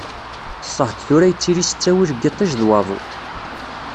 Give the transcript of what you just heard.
Ssehḍ tura yettili s ttawil n yiṭij d waḍu.